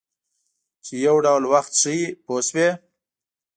چې یو ډول وخت ښیي پوه شوې!.